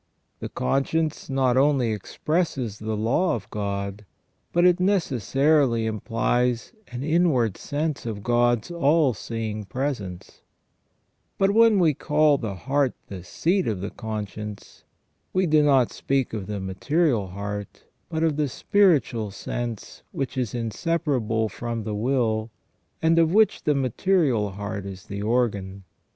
The conscience not only expresses the law of God, but it necessarily implies an inward sense of God's all seeing presence. But when we call the heart the seat of the conscience, we do not speak of the * Plato, De Legibus, lib. i., c. 10, 9 I30 SELF AND CONSCIENCE. material heart, but of the spiritual sense which is inseparable from the will, and of which the material heart is the organ.